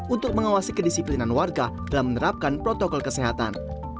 untuk mengawasi kedisiplinan warga dalam menerapkan protokol kesehatan